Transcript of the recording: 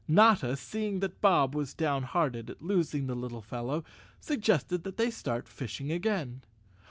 Notta, seeing that Bob was down¬ hearted at losing the little fellow, suggested that they start fishing again.